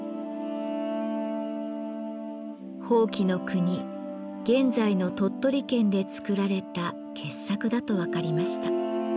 伯耆国現在の鳥取県で作られた傑作だと分かりました。